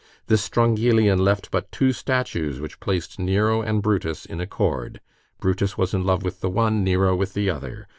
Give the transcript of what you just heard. This Strongylion left but two statues which placed Nero and Brutus in accord. Brutus was in love with the one, Nero with the other.